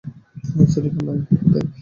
Sonic, আমরা এখন কোথায়?